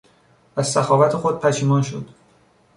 از سخاوت خود پشیمان شد.